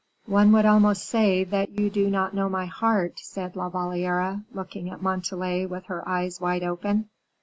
"One would almost say that you do not know my heart," said La Valliere, looking at Montalais with her eyes wide open.